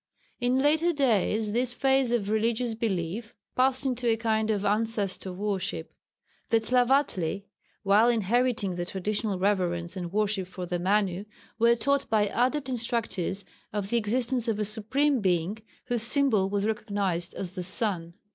In later days this phase of religious belief passed into a kind of ancestor worship. The Tlavatli while inheriting the traditional reverence and worship for the Manu, were taught by Adept instructors of the existence of a Supreme Being whose symbol was recognized as the sun.